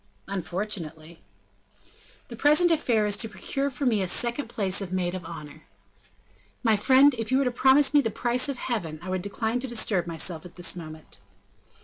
"Unfortunately." "The present affair is to procure for me a second place of maid of honor." "My friend, if you were to promise me the price of heaven, I would decline to disturb myself at this moment."